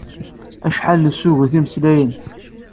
Acḥal nessuget imeslayen.